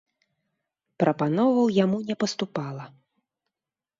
Прапановаў яму не паступала.